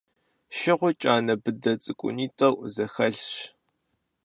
Шыгъур кӀанэ быдэ цӀыкӀунитӀэу зэхэлъщ.